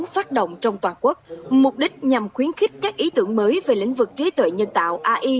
phát động trong toàn quốc mục đích nhằm khuyến khích các ý tưởng mới về lĩnh vực trí tuệ nhân tạo ai